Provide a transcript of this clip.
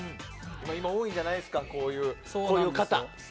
今、多いんじゃないんですかこういう方。